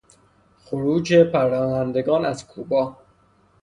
خروج پناهندگان از کوبا